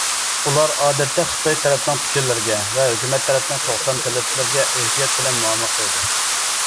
ئۇلار ئادەتتە خىتاي تەرەپنىڭ پىكىرلىرىگە ۋە ھۆكۈمەت تەرەپنىڭ توختام تەلەپلىرىگە ئېھتىيات بىلەن مۇئامىلە قىلىدۇ.